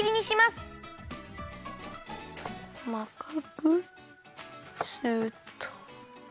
すっと。